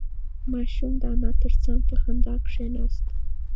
ماشوم د انا تر څنگ په خندا کې کېناست.